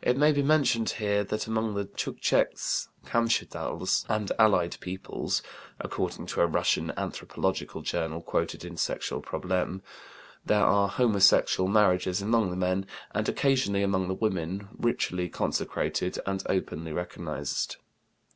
It may be mentioned here that among the Tschuktsches, Kamschatdals, and allied peoples (according to a Russian anthropological journal quoted in Sexual Probleme, January, 1913, p. 41) there are homosexual marriages among the men, and occasionally among the women, ritually consecrated and openly recognized.